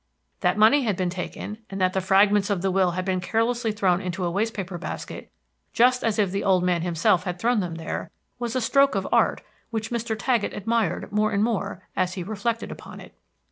That money had been taken, and that the fragments of the will had been carelessly thrown into a waste paper basket, just as if the old man himself had thrown them there, was a stroke of art which Mr. Taggett admired more and more as he reflected upon it.